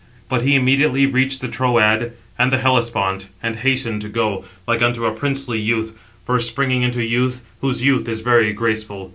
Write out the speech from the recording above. But he immediately reached the Troad and the Hellespont, and hastened to go, like unto a princely youth, first springing into youth, whose youth is very graceful.